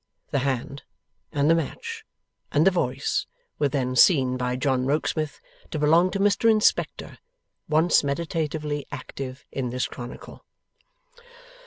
The hand and the match and the voice were then seen by John Rokesmith to belong to Mr Inspector, once meditatively active in this chronicle.